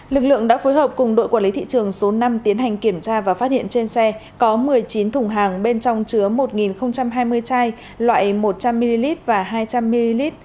lực lượng đã phối hợp cùng đội quản lý thị trường số năm tiến hành kiểm tra và phát hiện trên xe có một mươi chín thùng hàng bên trong chứa một hai mươi chai loại một trăm linh ml và hai trăm linh ml